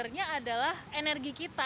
makannya adalah energi kita